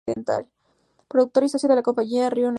Productor y socio de la compañía Río Negro-Barracuda.